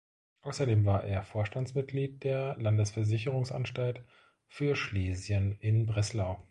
Außerdem war er Vorstandsmitglied der Landesversicherungsanstalt für Schlesien in Breslau.